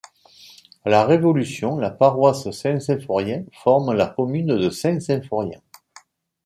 À la Révolution, la paroisse Saint-Symphorien forme la commune de Saint-Symphorien.